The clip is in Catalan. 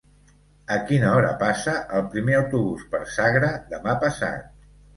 A quina hora passa el primer autobús per Sagra demà passat?